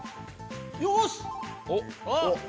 よし！